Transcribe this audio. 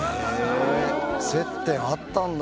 接点あったんだ。